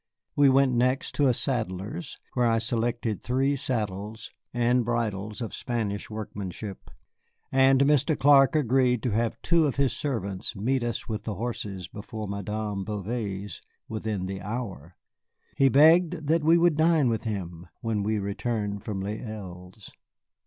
We went next to a saddler's, where I selected three saddles and bridles of Spanish workmanship, and Mr. Clark agreed to have two of his servants meet us with the horses before Madame Bouvet's within the hour. He begged that we would dine with him when we returned from Les Îles.